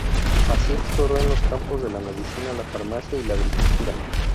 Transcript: Así, exploró en los campos de la medicina, la farmacia y la agricultura.